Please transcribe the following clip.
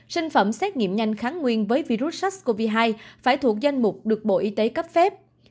sinh phẩm xét nghiệm nhanh kháng nguyên với virus sars cov hai phải thuộc danh mục được bộ y tế cấp phép